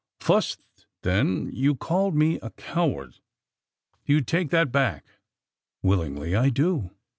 "Fust, then, you called me a coward. Do you take that back?" "Willingly I do."